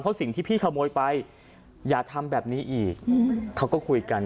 เพราะสิ่งที่พี่ขโมยไปอย่าทำแบบนี้อีกเขาก็คุยกัน